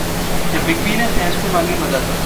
जब big B ने fans से मांगी मदद